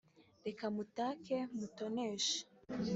reka mutake mutoneshe